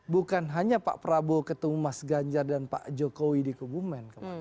bukan hanya pak prabowo ketemu mas ganjar dan pak jokowi di kebumen kemarin